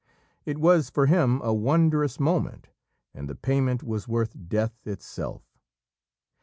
It was for him a wondrous moment, and the payment was worth Death itself.